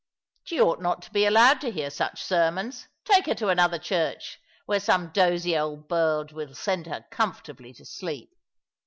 " She ought not to be allowed to hear such sermons. Take her to another church, where some dozy old bird wiU send her comfortably to sleep."